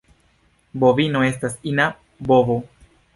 Bovino estas ina bovo.